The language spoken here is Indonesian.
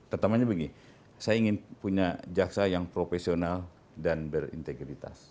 pertamanya begini saya ingin punya jaksa yang profesional dan berintegritas